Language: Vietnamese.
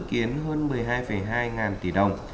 kiến hơn một mươi hai hai ngàn tỷ đồng